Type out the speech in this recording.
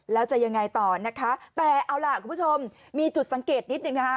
แล้วจะยังไงต่อนะคะแต่เอาล่ะคุณผู้ชมมีจุดสังเกตนิดหนึ่งนะคะ